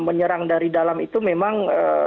menyerang dari dalam itu memang